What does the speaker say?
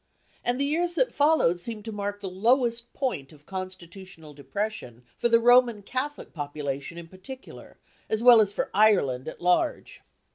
" And the years that followed seem to mark the lowest point of constitutional depression for the Roman Catholic population in particular, as well as for Ireland at large.